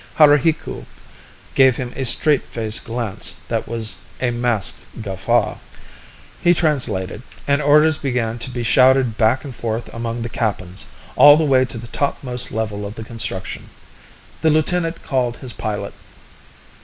Haruhiku gave him a straight faced glance that was a masked guffaw. He translated, and orders began to be shouted back and forth among the Kappans, all the way to the top most level of the construction. The lieutenant called his pilot.